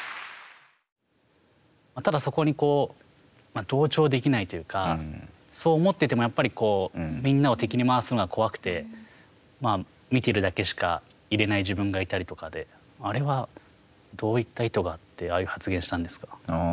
ただ、そこに同調できないというかそう思っててもみんなを敵に回すのが怖くて見てるだけしかいられない自分がいたりとかで、あれはどういった意図があってああいう発言をしたんですか。